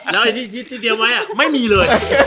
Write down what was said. แล้วไอ้ที่เตรียมไว้ไม่มีเลย